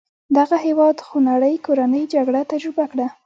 دغه هېواد خونړۍ کورنۍ جګړه تجربه کړه.